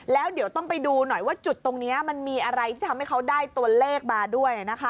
แล้วเดี๋ยวต้องไปดูหน่อยว่าจุดตรงนี้มันมีอะไรที่ทำให้เขาได้ตัวเลขมาด้วย